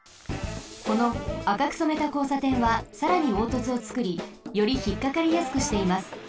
このあかくそめたこうさてんはさらにおうとつをつくりよりひっかかりやすくしています。